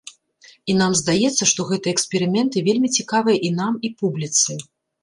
І нам здаецца, што гэтыя эксперыменты вельмі цікавыя і нам, і публіцы.